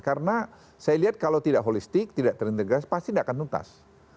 karena saya lihat kalau tidak holistik tidak terintegrasi pasti tidak akan nutas